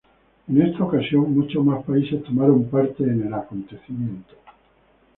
En esta ocasión muchos más países tomaron parte en el evento.